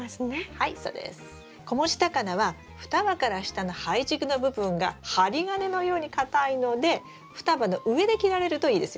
はいそうです。子持ちタカナは双葉から下の胚軸の部分が針金のように硬いので双葉の上で切られるといいですよ。